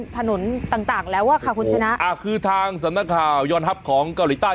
ถนนต่างต่างแล้วอ่ะค่ะคุณชนะอ่าคือทางสำนักข่าวยอนฮัพของเกาหลีใต้